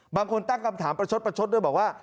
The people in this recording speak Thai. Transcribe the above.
บางคนตั้งคำถามประชดประชดด้วยบอกว่า